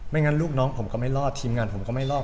งั้นลูกน้องผมก็ไม่รอดทีมงานผมก็ไม่รอด